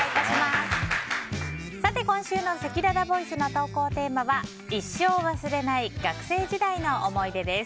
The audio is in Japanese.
今週のせきららボイスの投稿テーマは一生忘れない学生時代の思い出です。